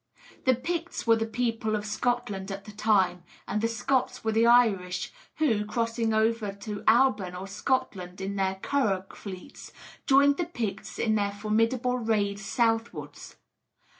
The Picts were the people of Scotland at the time; and the Scots were the Irish, who, crossing over to Alban or Scotland in their curragh fleets, joined the Picts in their formidable raids southwards.